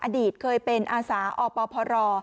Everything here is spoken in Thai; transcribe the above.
อดีตเคยเป็นอาสาอปพร